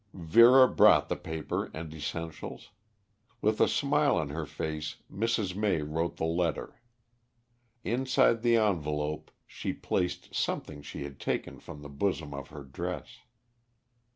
Vera brought the paper and essentials. With a smile on her face Mrs. May wrote the letter. Inside the envelope she placed something she had taken from the bosom of her dress.